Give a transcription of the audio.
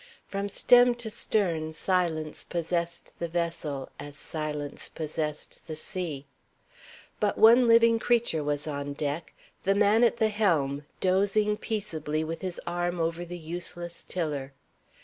From stem to stern silence possessed the vessel as silence possessed the sea. But one living creature was on deck the man at the helm, dozing peaceably with his arm over the useless tiller.